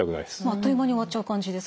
あっという間に終わっちゃう感じですか？